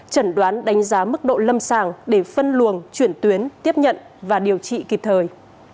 chẩn đoán đánh giá mức độ lâm sàng để phân luồng chuyển tuyến tiếp nhận và điều trị kịp thời